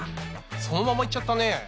そのままいっちゃったね。